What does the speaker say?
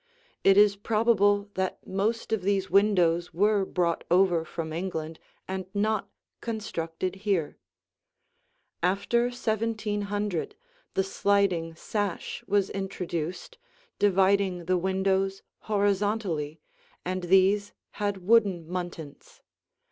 It is probable that most of these windows were brought over from England and not constructed here. After 1700, the sliding sash was introduced, dividing the windows horizontally, and these had wooden muntins.